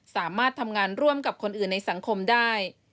สามารถทำงานร่วมกับคนอื่นในสังคมได้